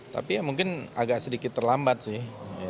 tapi ya mungkin agak sedikit terlambat sih